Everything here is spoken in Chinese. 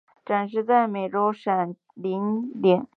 暂时在美洲闪鳞蛇下未有其它亚种。